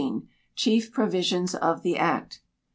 Chief Provisions of the Act.